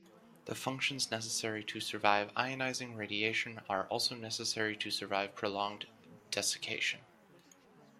The functions necessary to survive ionizing radiation are also necessary to survive prolonged desiccation.